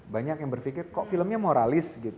banyak yang berpikir kok filmnya moralis gitu